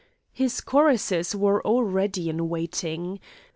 His choruses were already in waiting.